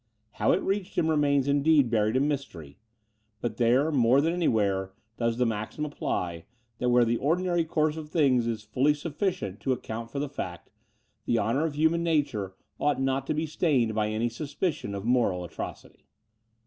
How it reached him, remains indeed buried in mystery; but here, more than anywhere, does the maxim apply, that where the ordinary course of things is fully sufficient to account for the fact, the honour of human nature ought not to be stained by any suspicion of moral atrocity.